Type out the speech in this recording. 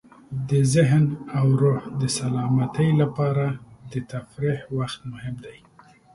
د ذهن او روح د سلامتۍ لپاره د تفریح وخت مهم دی.